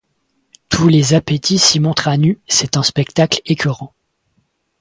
Tous les appétits s'y montrent à nu, c'est un spectacle écœurant.